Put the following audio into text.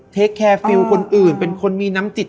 เทคแคร์ฟิลล์คนอื่นเป็นคนมีน้ำจิต